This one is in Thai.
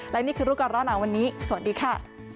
และนี่คือลูกการร้อนอ่านวันนี้สวัสดีค่ะ